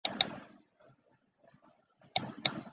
金家庄区原是中国安徽省马鞍山市下辖的一个区。